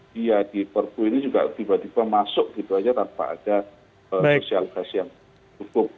dia di perpu ini juga tiba tiba masuk gitu aja tanpa ada social test yang cukup